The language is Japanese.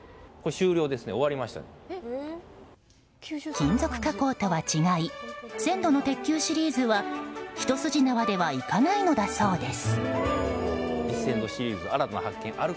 金属加工とは違い１０００度の鉄球シリーズはひと筋縄ではいかないのだそうです。